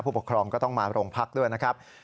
ปกครองก็ต้องมาโรงพักด้วยนะครับ